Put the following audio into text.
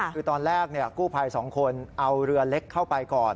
คือตอนแรกกู้ภัย๒คนเอาเรือเล็กเข้าไปก่อน